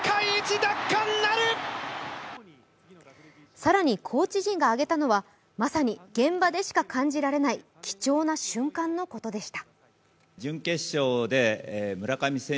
更に、コーチ陣があげたのはまさに現場でしか感じられない貴重な瞬間のことでした。